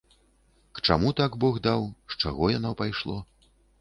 К чаму так бог даў, з чаго яно пайшло?